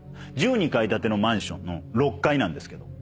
１２階建てのマンションの６階なんですけど。